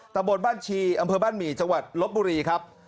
ตะบนบ้านชีอำเภอบ้านหมี่จังหวัดลบบุรีครับ